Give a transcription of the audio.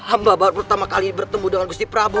amba baru pertama kali bertemu dengan gusti prabu